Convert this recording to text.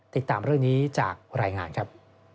ติดตามเรื่องนี้จากรายงานครับ